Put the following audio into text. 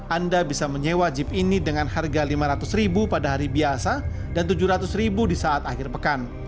anda bisa menyewa jeep ini dengan harga lima ratus pada hari biasa dan rp tujuh ratus ribu di saat akhir pekan